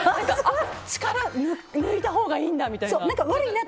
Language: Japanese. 力抜いたほうがいいんだみたいな。